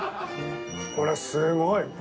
これすごい！